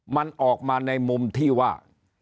มันออกมาในมุมที่ว่า